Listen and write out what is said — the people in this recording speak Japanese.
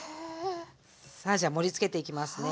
さあじゃあ盛りつけていきますね。